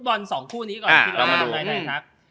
ก่อนสองคู่นี้ก่อนเรามาดู